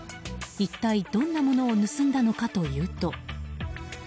一体どんなものを盗んだのかというと。